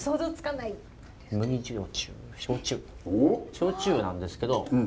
焼酎なんですけど。